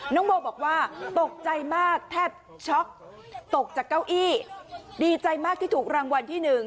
น้องโบบอกว่าตกใจมากแทบช็อกตกจากเก้าอี้ดีใจมากที่ถูกรางวัลที่หนึ่ง